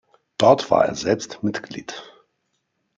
Dort war er selbst Mitglied.